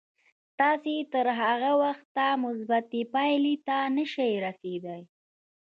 تاسې تر هغه وخته مثبتې پايلې ته نه شئ رسېدای.